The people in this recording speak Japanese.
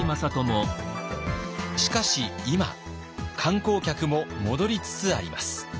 しかし今観光客も戻りつつあります。